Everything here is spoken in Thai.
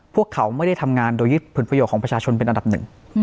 พวกเขาไม่ได้ทำงานโดยยึดผลประโยชน์ของประชาชนเป็นอันดับหนึ่ง